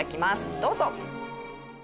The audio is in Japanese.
どうぞ。